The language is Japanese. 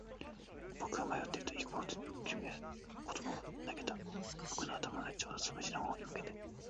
僕が迷っていると、行こうと君は言葉を投げた。僕の頭の上、ちょうどつむじの方に向けて。